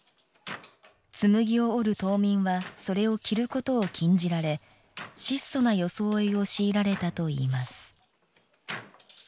つむぎを織る島民はそれを着ることを禁じられ、質素な装いを強いられたといいます。